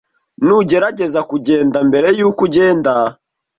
Ntugerageze kugenda mbere yuko ugenda.